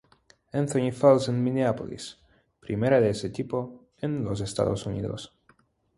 Anthony Falls en Minneapolis, primera de ese tipo en los Estados Unidos.